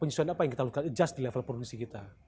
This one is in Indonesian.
penyesuaian apa yang kita lakukan adjust di level produksi kita